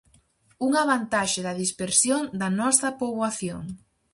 Unha vantaxe da dispersión da nosa poboación.